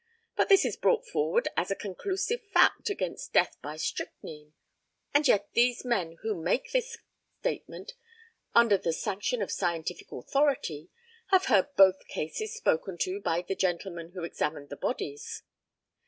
But this is brought forward as a conclusive fact against death by strychnine, and yet these men who make this statement under the sanction of scientific authority, have heard both cases spoken to by the gentlemen who examined the bodies.